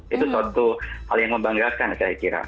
itu suatu hal yang membanggakan saya kira